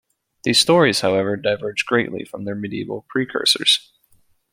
These stories, however, diverged greatly from their medieval precursors.